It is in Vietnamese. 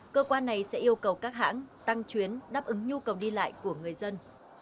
cơ quan này sẽ yêu cầu các hãng tăng chuyến đáp ứng nhu cầu đi lại của người dân